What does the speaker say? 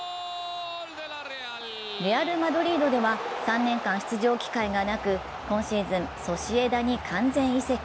レアル・マドリードでは３年間出場機会がなく、今シーズン、ソシエダに完全移籍。